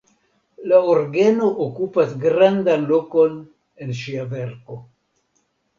La orgeno okupas grandan lokon en ŝia verko.